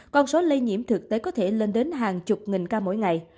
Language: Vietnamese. con số lây nhiễm thực tế có thể lên đến hàng chục nghìn ca mỗi ngày